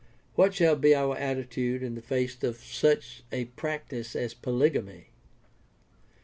What shall be our attitude in the face of such a practice as polygamy